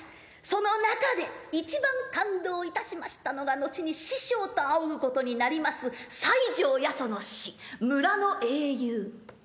その中で一番感動いたしましたのが後に師匠と仰ぐことになります西條八十の詩「村の英雄」。